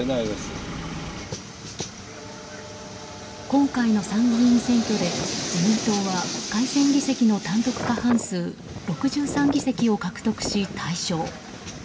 今回の参議院選挙で自民党は改選議席の単独過半数６３議席を獲得し大勝。